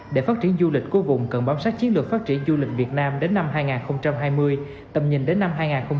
để phát triển du lịch của vùng cần bám sát chiến lược phát triển du lịch việt nam đến năm hai nghìn hai mươi tầm nhìn đến năm hai nghìn ba mươi